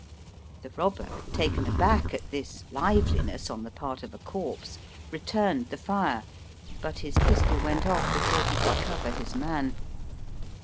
The robber, taken aback at this liveliness on the part of a corpse, returned the fire, but his pistol went off before he could cover his man.